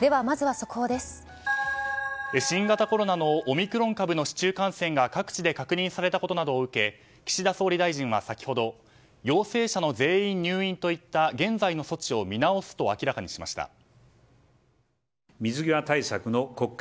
新型コロナのオミクロン株の市中感染が各地で確認されたことなどを受け岸田総理大臣は先ほど陽性者の全員入院といった現在の措置を見直すと明らかにしました。